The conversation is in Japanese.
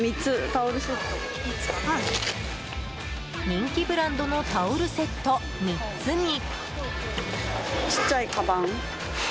人気ブランドのタオルセット３つに。